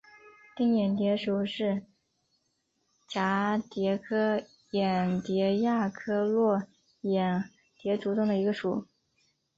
玎眼蝶属是蛱蝶科眼蝶亚科络眼蝶族中的一个属。